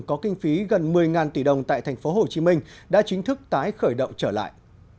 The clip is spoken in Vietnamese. có kinh phí gần một mươi tỷ đồng tại tp hcm đã chính thức tái khởi động trở lại